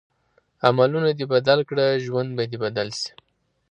عملونه دې بدل کړه ژوند به دې بدل شي.